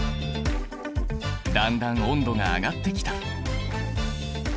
だんだん温度が上がってきた。